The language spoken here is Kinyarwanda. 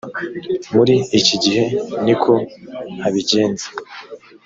muri iki gihe ni ko abigenza